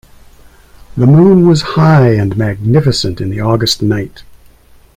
The moon was high and magnificent in the August night.